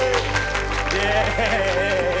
イエーイ！